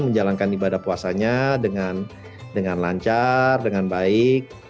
menjalankan ibadah puasanya dengan lancar dengan baik